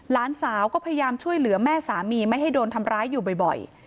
หลานสาวก็พยายามช่วยเหลือแม่สามีไม่ให้โดนทำร้ายอยู่บ่อย